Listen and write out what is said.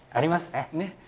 ねっ。